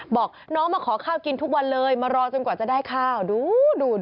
บอกน้องมาขอข้าวกินทุกวันเลยมารอจนกว่าจะได้ข้าวดูดู